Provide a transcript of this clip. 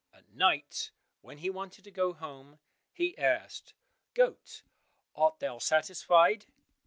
At night when he wanted to go home, he asked, "Goat, art thou satisfied?"